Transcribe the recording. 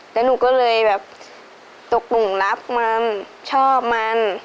แล้วหนูก็เลยแบบตกหนุ่มรับมันชอบมัน